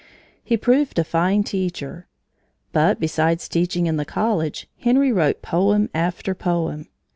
He proved a fine teacher. But, besides teaching in the college, Henry wrote poem after poem.